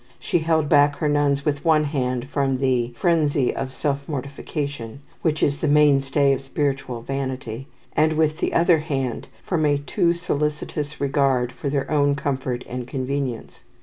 She held back her nuns with one hand from "the frenzy of self mortification," which is the mainstay of spiritual vanity, and with the other hand from a too solicitous regard for their own comfort and convenience.